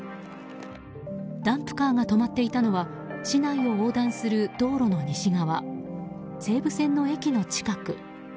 ダンプカーが止まっていたのは市内を横断する道路の西側西武線の駅の近く。